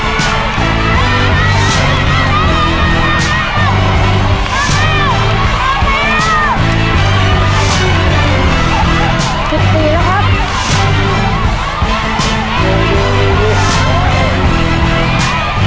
ทุกคนนะฮะเลือกครบนะครับจะมีสามขาดจริงจริงจะยกไปวางนะครับ